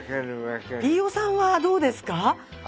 飯尾さんはどうですか？